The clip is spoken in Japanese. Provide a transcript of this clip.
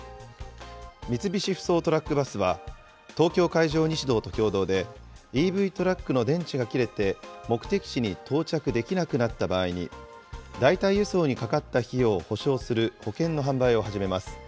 三菱ふそうトラック・バスは、東京海上日動と共同で、ＥＶトラックの電池が切れて、目的地に到着できなくなった場合に、代替輸送にかかった費用を補償する保険の販売を始めます。